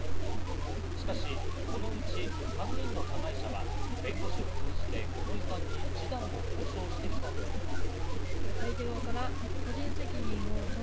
しかし、このうち３人の加害者は、弁護士を通じて五ノ井さんに示談を交渉してきたといいます。